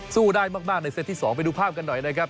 สู้ได้มากในเซตที่๒ไปดูภาพกันหน่อยนะครับ